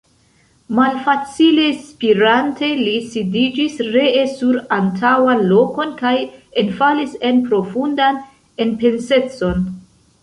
Malfacile spirante, li sidiĝis ree sur antaŭan lokon kaj enfalis en profundan enpensecon.